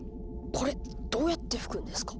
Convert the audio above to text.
これどうやって吹くんですか？